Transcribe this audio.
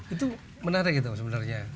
itu menarik sebenarnya